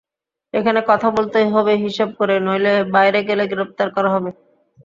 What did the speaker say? এখানে কথা বলতে হবে হিসাব করে, নইলে বাইরে গেলে গ্রেপ্তার করা হবে।